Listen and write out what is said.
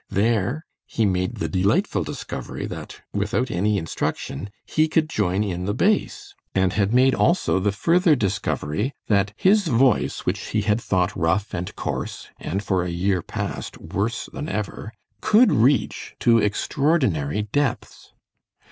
There he made the delightful discovery that, without any instruction, he could join in the bass, and had made, also, the further discovery that his voice, which he had thought rough and coarse, and for a year past, worse than ever, could reach to extraordinary depths.